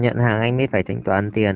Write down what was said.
nhận hàng anh mới phải tính toán tiền